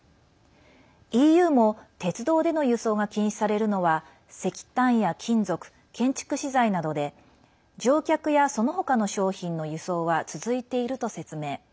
ＥＵも鉄道での輸送が禁止されるのは石炭や金属、建築資材などで乗客や、そのほかの商品の輸送は続いていると説明。